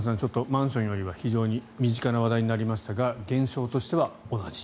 マンションよりは非常に身近な話題になりましたが現象としては同じ。